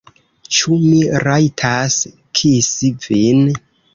Ĉu mi rajtas kisi vin?